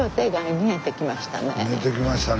見えてきましたね